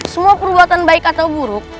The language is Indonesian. semua perbuatan baik atau buruk